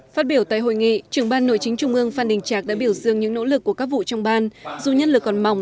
phát biểu tại hội nghị trưởng ban nội chính trung ương phan đình trạc đã biểu dương những nỗ lực của các vụ trong ban dù nhân lực còn mỏng